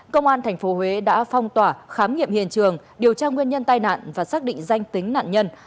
công an tp huế đã phong tỏa khám nghiệm hiện trường điều tra nguyên nhân tai nạn và xác định danh tính nạn nhân